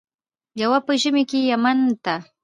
یو په ژمي کې یمن ته.